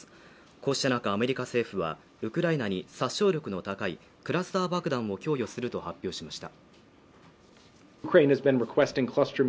こうした中、アメリカ政府はウクライナに殺傷力の高いクラスター爆弾を供与すると発表しました。